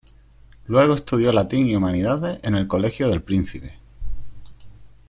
Luego estudió latín y humanidades en el Colegio del Príncipe.